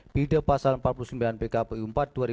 di pasal empat puluh sembilan bkpu empat dua ribu sembilan belas